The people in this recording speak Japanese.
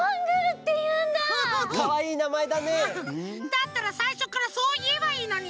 だったらさいしょからそういえばいいのに。